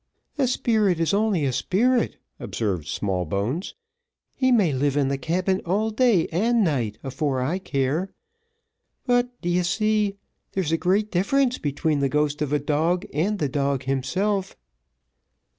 "A spirit is only a spirit," observed Smallbones; "he may live in the cabin all day and night afore I care; but, d'ye see, there's a great difference between the ghost of a dog, and the dog himself."